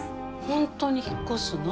本当に引っ越すの？